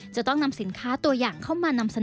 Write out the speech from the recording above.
จะต้องนำสินค้าตัวอย่างเข้ามานำเสนอ